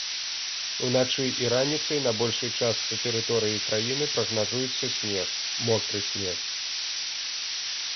Уначы і раніцай на большай частцы тэрыторыі краіны прагназуецца снег, мокры снег.